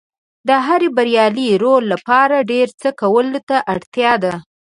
د هر بریالي رول لپاره ډېر څه کولو ته اړتیا ده.